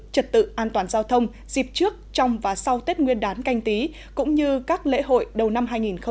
trật tự an toàn giao thông dịp trước trong và sau tết nguyên đán canh tí cũng như các lễ hội đầu năm hai nghìn hai mươi